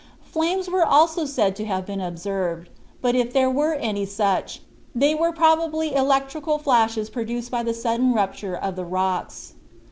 Flames were also said to have been observed: but if there were any such, they were probably electrical flashes produced by the sudden rupture of the rocks.